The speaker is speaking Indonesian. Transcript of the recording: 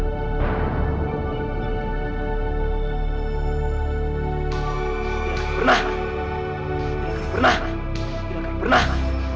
tidak akan pernah